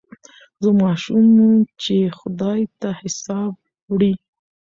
زه ماشوم وم چي یې خدای ته حساب وړی